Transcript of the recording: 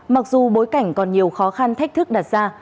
mặc dù bối cảnh còn nhiều khó khăn thách thức đặt ra